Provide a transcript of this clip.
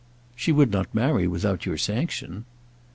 "She would not marry without your sanction."